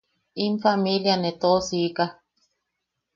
In familia nee toʼosiika.